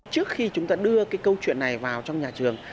trước khi chúng ta đưa cái câu chuyện này vào trong nhà trường